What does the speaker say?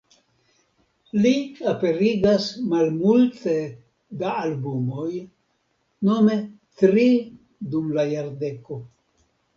Li aperigas malmulte da albumoj, nome tri dum la jardeko.